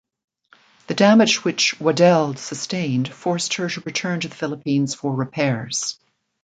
The damage which "Waddell" sustained forced her to return to the Philippines for repairs.